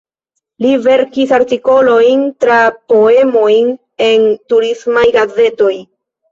Li verkis artikolojn kaj poemojn en turismaj gazetoj.